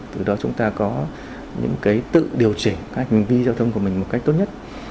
từ đó chúng ta có những cái tự điều chỉnh các hành vi giao thông của mình một cách tốt nhất